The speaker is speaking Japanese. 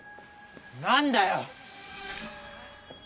何だよ！